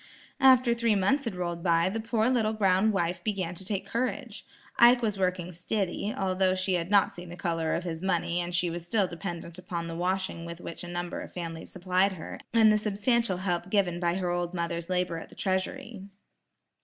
After three months had rolled by, the poor little brown wife began to take courage. Ike was working "stiddy" although she had not yet seen the color of his money and she was still dependent upon the washing with which a number of families supplied her, and the substantial help given by her old mother's labor at the treasury.